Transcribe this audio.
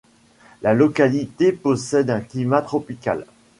La localité possède un climat tropical.